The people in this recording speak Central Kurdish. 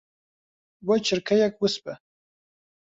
بۆ چرکەیەک وس بە.